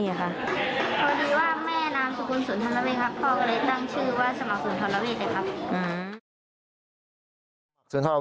เพราะฉะนั้นแม่นามสุคุณสุนทรเวทครับ